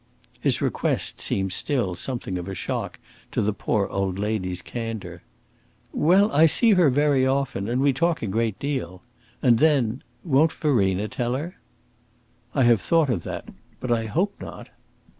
His request seemed still something of a shock to the poor old lady's candour. "Well, I see her very often, and we talk a great deal. And then won't Verena tell her?" "I have thought of that but I hope not."